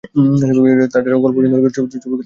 তা ছাড়া গল্প পছন্দ না হলেও ছবি করতে রাজি হচ্ছেন না তিনি।